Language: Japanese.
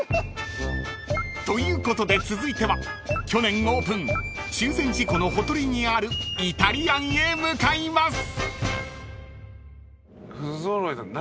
［ということで続いては去年オープン中禅寺湖のほとりにあるイタリアンへ向かいます］